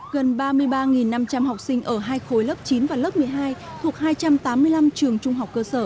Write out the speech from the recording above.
gần ba mươi ba năm trăm linh học sinh ở hai khối lớp chín và lớp một mươi hai thuộc hai trăm tám mươi năm trường trung học cơ sở